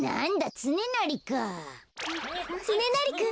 つねなりくん